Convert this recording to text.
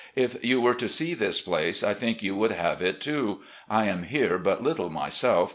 ... If you were to see this place, I think you would have it, too. I am here but little myself.